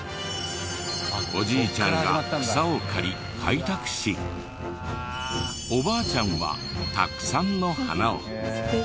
おじいちゃんが草を刈り開拓しおばあちゃんはたくさんの花を。